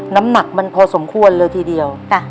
น้ำหนักมันพอสมควรเลยทีเดียว